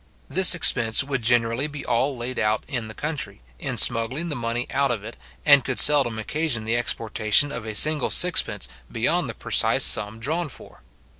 This expense would generally be all laid out in the country, in smuggling the money out of it, and could seldom occasion the exportation of a single sixpence beyond the precise sum drawn for.